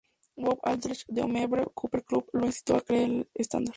Bob Albrecht, del Homebrew Computer Club, lo instó a crear el estándar.